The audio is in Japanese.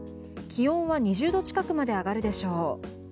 気温は２０度近くまで上がるでしょう。